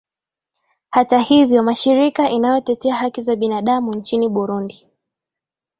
hata hivyo mashirika inayotetea haki za binadamu nchini burundi